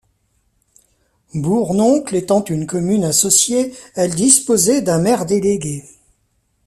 Bournoncles étant une commune associée, elle disposait d'un maire délégué.